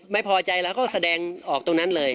ไม่พอใจแล้วก็แสดงออกตรงนั้นเลย